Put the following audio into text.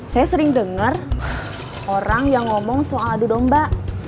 saya sering dengar orang yang ngomong soal adu domba